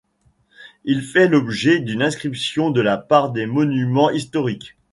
Il fait l'objet d'une inscription de la part des monuments historiques.